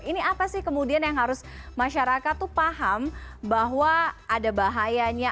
ini apa sih kemudian yang harus masyarakat tuh paham bahwa ada bahayanya